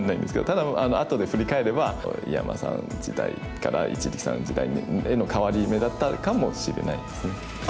ただあとで振り返れば井山さんの時代から一力さんの時代への変わり目だったかもしれないですね。